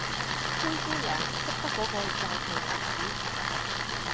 灰姑娘識得果個又系王子